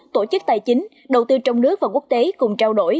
tổ chức tài chính đầu tư trong nước và quốc tế cùng trao đổi